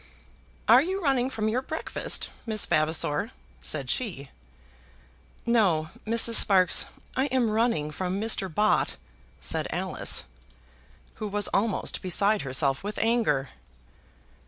"Are you running from your breakfast, Miss Vavasor?" said she. "No, Mrs. Sparkes; I am running from Mr. Bott," said Alice, who was almost beside herself with anger.